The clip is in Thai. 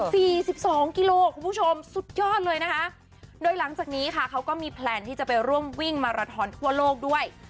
สิบสองกิโลคุณผู้ชมสุดยอดเลยนะคะโดยหลังจากนี้ค่ะเขาก็มีแพลนที่จะไปร่วมวิ่งมาราทอนทั่วโลกด้วย